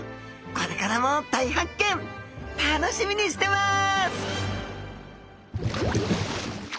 これからも大発見楽しみにしてます！